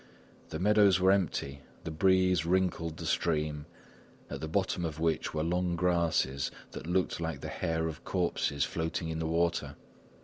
The meadows were empty, the breeze wrinkled the stream, at the bottom of which were long grasses that looked like the hair of corpses floating in the water.